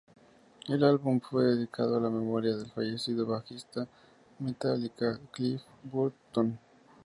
El álbum fue dedicado a la memoria del fallecido bajista de Metallica, Cliff Burton.